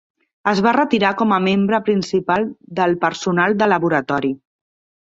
Es va retirar com a membre principal del personal de laboratori.